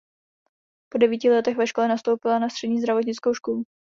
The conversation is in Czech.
Po devíti letech ve škole nastoupila na střední zdravotnickou školu.